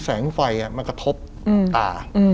แสงไฟมันกระทบตา